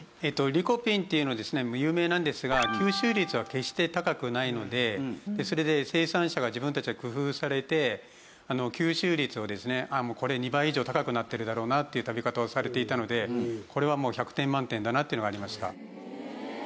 リコピンっていうのはですね有名なんですが吸収率は決して高くないのでそれで生産者が自分たちで工夫されて吸収率をですねこれ２倍以上高くなってるだろうなという食べ方をされていたのでこれはもう１００点満点だなというのがありました。